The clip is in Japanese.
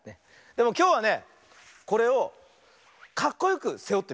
でもきょうはねこれをかっこよくせおってみるよ。